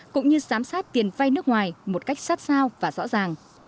cũng như giám sát tiền vay nước ngoài một cách sát sao và rõ ràng